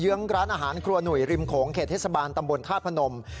ื้องร้านอาหารครัวหนุ่ยริมโขงเขตเทศบาลตำบลธาตุพนม